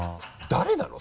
誰なの？